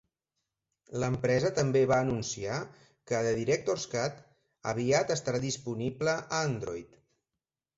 L'empresa també va anunciar que "The Director's Cut" aviat estarà disponible a Android.